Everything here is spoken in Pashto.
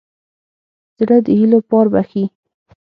زړه د هيلو پار بښي.